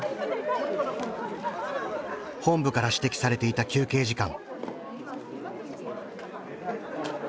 本部から指摘されていた休憩時間。